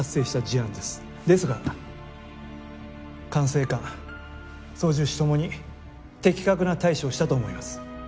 ですが管制官操縦士ともに的確な対処をしたと思います。